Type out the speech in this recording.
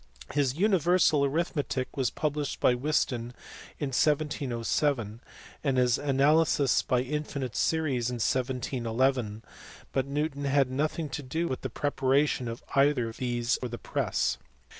His Universal Arithmetic was pub lished by Whiston in 1707, and his Analysis by Infinite Series in 1711 ; but Newton had nothing to do with the preparation of either of these for the press.